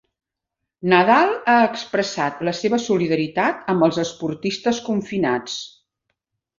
Nadal ha expressat la seva solidaritat amb els esportistes confinats.